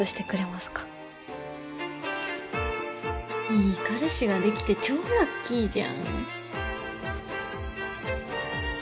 いい彼氏ができて超ラッキーじゃん。